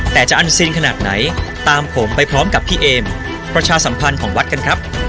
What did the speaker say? แต่จะอันซีนขนาดไหนตามผมไปพร้อมกับพี่เอมประชาสัมพันธ์ของวัดกันครับ